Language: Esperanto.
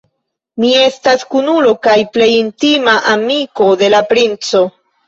Mi estas kunulo kaj plej intima amiko de la princo.